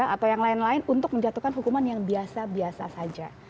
atau yang lain lain untuk menjatuhkan hukuman yang biasa biasa saja